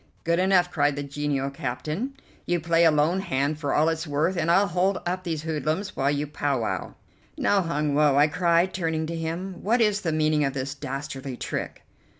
"Good enough," cried the genial captain, "you play a lone hand for all it's worth, and I'll hold up these hoodlums while you pow wow." "Now, Hun Woe," I cried, turning to him, "what is the meaning of this dastardly trick?"